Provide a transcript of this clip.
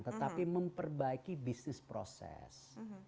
tetapi memperbaiki bisnis proses